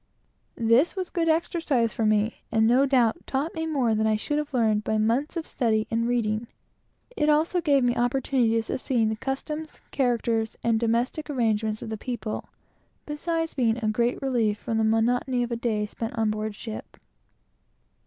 This was a good exercise for me, and no doubt taught me more than I should have learned by months of study and reading; it also gave me opportunities of seeing the customs, characters, and domestic arrangements of the people; beside being a great relief from the monotony of a day spent on board ship.